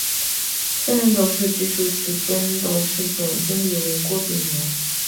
现任董事局主席兼董事总经理为郭炳联。